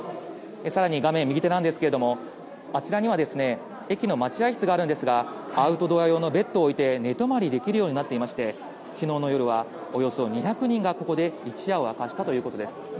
更に画面右手なんですけれどもあちらには駅の待合室があるんですがアウトドア用のベッドを置いて寝泊まりできるようになっていまして、昨日の夜はおよそ２００人がここで一夜を明かしたということです。